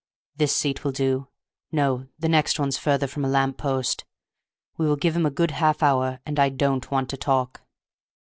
"This seat will do; no, the next one's further from a lamp post. We will give him a good half hour, and I don't want to talk."